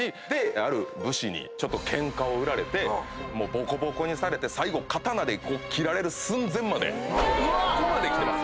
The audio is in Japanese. ある武士にケンカを売られてぼこぼこにされて最後刀で斬られる寸前までここまで来てます。